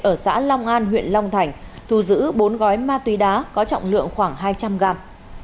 ở xã long an huyện long thành thu giữ bốn gói ma túy đá có trọng lượng khoảng hai trăm linh gram